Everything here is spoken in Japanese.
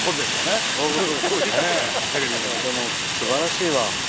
すばらしいわ。